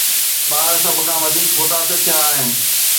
ٻار سڀ کان وڌيڪ متاثر ٿيا آهن